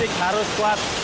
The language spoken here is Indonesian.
fisik harus kuat